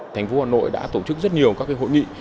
thành phố hà nội đã tổ chức rất nhiều các hội nghị